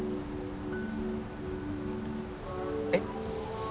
えっ？